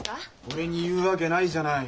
俺に言うわけないじゃない。